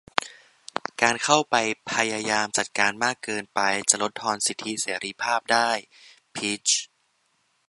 การเข้าไปพยายามจัดการมากเกินไปจะลดทอนสิทธิเสรีภาพได้ - พิชญ์